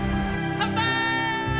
乾杯！